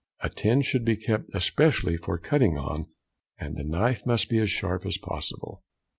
A tin should be kept especially for cutting on, and the knife must be as sharp as possible.